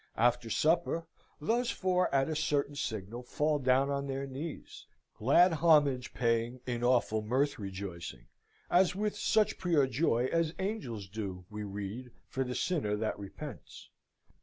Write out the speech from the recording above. After supper, those four at a certain signal fall down on their knees glad homage paying in awful mirth rejoicing, and with such pure joy as angels do, we read, for the sinner that repents.